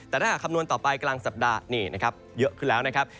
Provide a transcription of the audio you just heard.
แต่ถ้าหากคำนวณต่อไปกลางสัปดาห์นี่นะครับเยอะขึ้นแล้วนะครับ